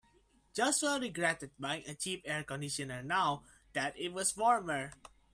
Joshua regretted buying a cheap air conditioner now that it was warmer.